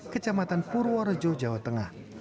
kecamatan purworejo jawa tengah